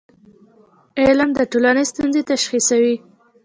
علم د ټولنې ستونزې تشخیصوي.